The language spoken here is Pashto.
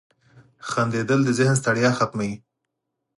• خندېدل د ذهن ستړیا ختموي.